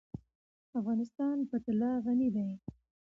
افغانستان په طلا غني دی.